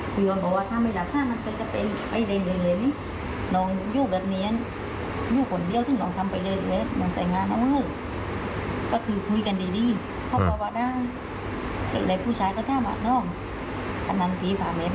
ไปดูเรื่องฝั่งลูกนะครับ